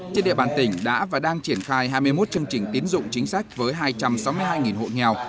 trên địa bàn tỉnh đã và đang triển khai hai mươi một chương trình tiến dụng chính sách với hai trăm sáu mươi hai hộ nghèo